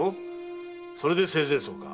それで生前葬か。